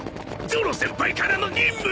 ゾロ先輩からの任務！